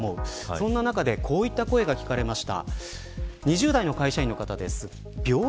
そんな中でこういった声も聞かれました。